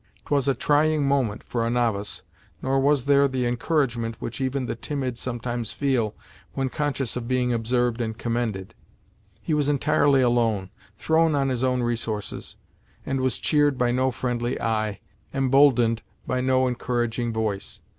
It was a trying moment for a novice, nor was there the encouragement which even the timid sometimes feel, when conscious of being observed and commended. He was entirely alone, thrown on his own resources, and was cheered by no friendly eye, emboldened by no encouraging voice.